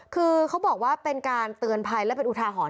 คือเขาบอกว่าเป็นการเตือนภัยและเป็นอุทาหรณ